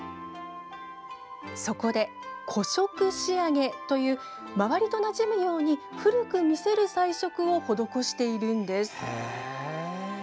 そこで古色仕上げという周りとなじむように古く見せる彩色を施しているんです。